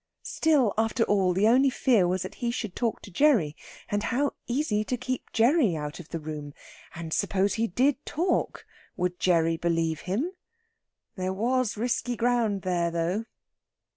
Still, after all, the only fear was that he should talk to Gerry; and how easy to keep Gerry out of the room! And suppose he did talk! Would Gerry believe him? There was risky ground there, though.